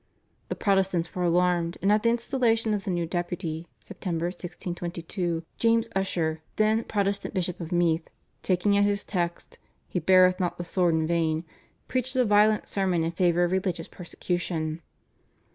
The Protestants were alarmed and at the installation of the new Deputy (Sept. 1622) James Ussher, then Protestant Bishop of Meath, taking as his text, "He beareth not the sword in vain," preached a violent sermon in favour of religious persecution.